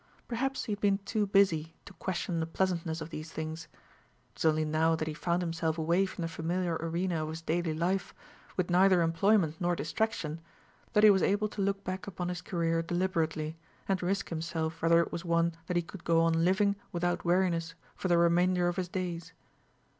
Perhaps he had been too busy to question the pleasantness of these things. It was only now that he found himself away from the familiar arena of his daily life, with neither employment nor distraction, that he was able to look back upon his career deliberately, and ask himself whether it was one that he could go on living without weariness for the remainder of his days.